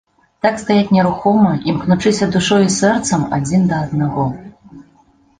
Так стаяць нерухома, імкнучыся душой і сэрцам адзін да аднаго.